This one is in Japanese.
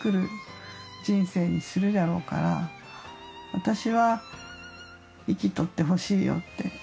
私は生きとってほしいよって。